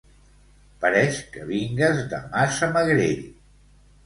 Pareix que vingues de Massamagrell.